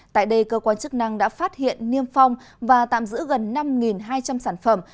tại đây cơ quan chức năng đã phát hiện niêm phong và tạm giữ gần năm hai trăm linh sản phẩm